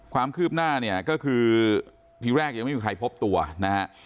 ความคืบหน้าเนี่ยก็คือทีแรกยังไม่มีใครพบตัวนะฮะ